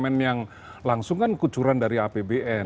kalau pmn yang langsung kucur itu bisa dipimpin oleh apbn